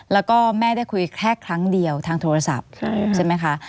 แล้วก็แม่ได้คุยแค่ครั้งเดียวทางโทรศัพท์ใช่ไหมคะ